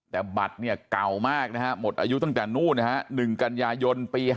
แต่บัตรเนี่ยเก่ามากนะฮะหมดอายุตั้งแต่นู่นนะฮะ๑กันยายนปี๕๗